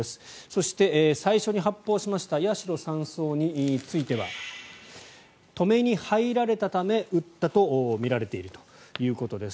そして、最初に発砲しました八代３曹については止めに入られたため撃ったとみられているということです。